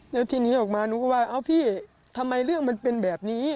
แล้วทีนี้ออกมาหนูก็ว่าเอ้าพี่ทำไมเรื่องมันเป็นแบบนี้